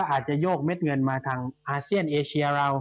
อาจจะโยกเม็ดเงินมาทางอาเซียนเอเชียเรา